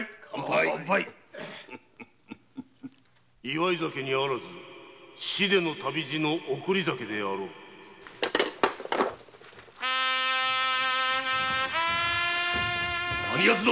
・祝い酒にあらず死出の旅路の送り酒であろう何奴だ